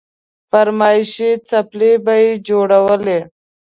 فرمايشي څپلۍ به يې جوړولې.